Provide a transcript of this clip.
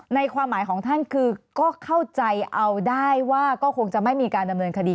ความหมายของท่านคือก็เข้าใจเอาได้ว่าก็คงจะไม่มีการดำเนินคดี